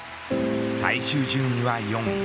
最終順位は４位。